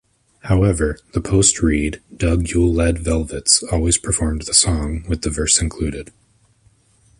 However, the post-Reed, Doug Yule-led Velvets always performed the song with the verse included.